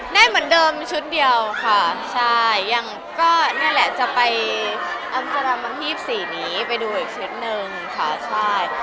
แน่เหมือนเดิมชุดเดียวค่ะใช่ยังก็เนี่ยแหละจะไปอัพจันทรามันที่๒๔นี้ไปดูอีกชุดนึงค่ะใช่